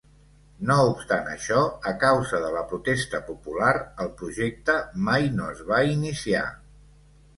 No obstant això, a causa de la protesta popular, el projecte mai no es va iniciar.